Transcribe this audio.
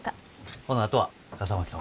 ほなあとは笠巻さん